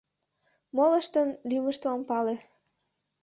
Молыштын лӱмыштым ом пале...